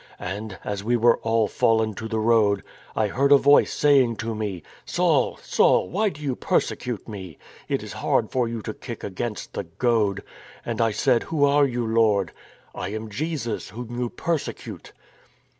And, as we were all fallen on to the road, I heard a voice saying to me :"' Saul, Saul, why do you persecute Me ? It is hard for you to kick against the goad.' " And I said, ' Who are you. Lord? '"" *I am Jesus, whom you persecute.'